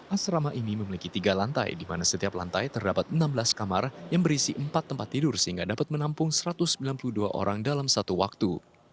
asrama ini memiliki tiga lantai di mana setiap lantai terdapat enam belas kamar yang berisi empat tempat tidur sehingga dapat menampung satu ratus sembilan puluh dua orang dalam satu waktu